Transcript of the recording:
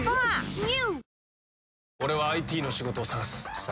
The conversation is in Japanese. ＮＥＷ！